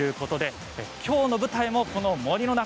きょうの舞台もこの森の中。